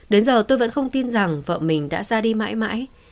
đến giờ tôi vẫn không tin rằng vợ mình đã ra đi mãi mãi